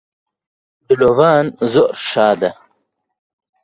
دلۆڤان زۆر شادە